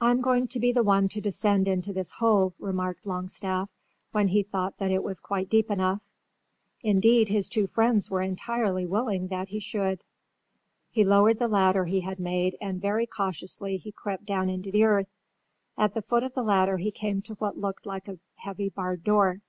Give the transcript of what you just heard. "I'm going to be the one to descend into this hole," remarked Longstaff when he thought that it was quite deep enough. Indeed his two friends were entirely willing that he should. He lowered the ladder he had made and very cautiously he crept down into the earth. At the foot of the ladder he came to what looked like a heavy barred door.